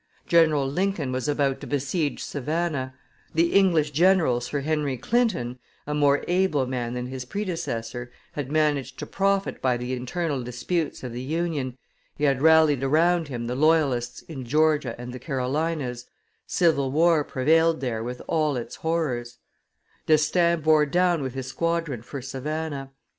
General Lincoln was about to besiege Savannah; the English general, Sir Henry Clinton, a more able man than his predecessor, had managed to profit by the internal disputes of the Union, he had rallied around him the loyalists in Georgia and the Carolinas, civil war prevailed there with all its horrors; D'Estaing bore down with his squadron for Savannah.